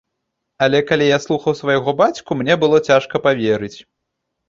Але калі я слухаў свайго бацьку, мне было цяжка паверыць!